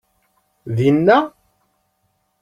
Din-a?